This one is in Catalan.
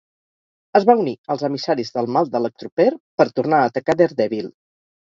Es va unir als Emissaris del mal d'Electroper per tornar a atacar Daredevil.